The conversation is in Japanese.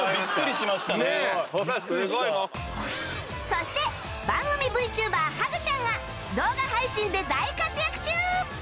そして番組 ＶＴｕｂｅｒ ハグちゃんが動画配信で大活躍中！